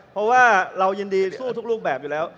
เพราะว่าเรายินดีสู้ทุกรูปแบบอยู่แล้ว